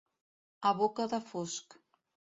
A boca de fosc.